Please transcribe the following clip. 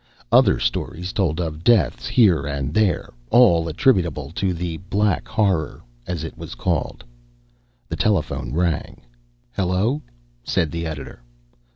Other stories told of deaths here and there, all attributable to the "Black Horror," as it was called. The telephone rang. "Hello," said the editor.